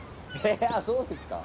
あっそうですか。